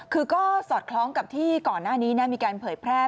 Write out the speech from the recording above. คือก็สอดคล้องกับที่ก่อนหน้านี้มีการเผยแพร่